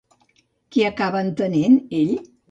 Què acaba entenent ell?